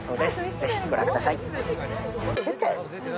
ぜひご覧ください。